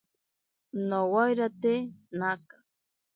Nowairate naka.